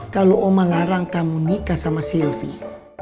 kalau oma larang kamu nikah sama sylvie